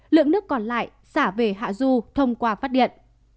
lượng nước còn lại xả về hạ du thông qua phát điện